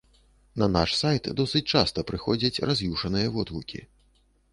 На наш сайт досыць часта прыходзяць раз'юшаныя водгукі.